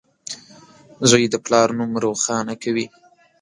• زوی د پلار نوم روښانه کوي.